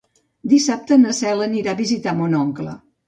Dissabte na Cel anirà a visitar mon oncle.